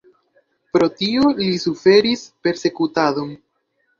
Pro tio li suferis persekutadon.